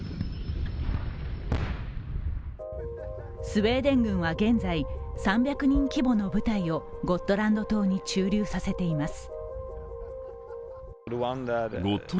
スウェーデン軍は現在、３００人規模の部隊をゴットランド島に駐留させています。